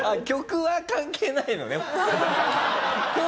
曲は関係ないのね。